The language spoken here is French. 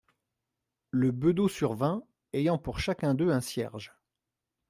Le bedeau survint, ayant pour chacun d'eux un cierge.